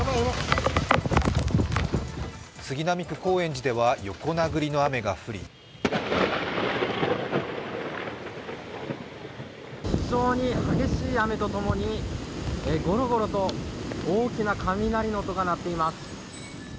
杉並区高円寺では横殴りの雨が降り非常に激しい雨とともにゴロゴロと大きな雷の音が鳴っています。